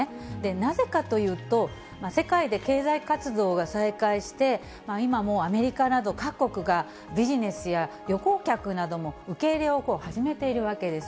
なぜかというと、世界で経済活動が再開して、今もうアメリカなど、各国が、ビジネスや旅行客などの受け入れを始めているわけです。